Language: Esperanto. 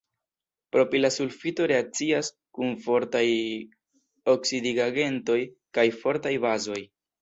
Propila sulfito reakcias kun fortaj oksidigagentoj kaj fortaj bazoj.